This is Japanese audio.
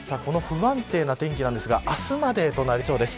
この不安定な天気ですが明日までとなりそうです。